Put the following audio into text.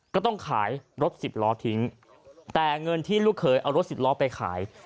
ก็ต้องขายรถสิบล้อทิ้งแต่เงินที่ลูกเคยเอารถสิบล้อไปขาย